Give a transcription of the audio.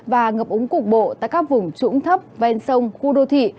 và ngập úng cục bộ tại các vùng trũng thấp ven sông khu đô thị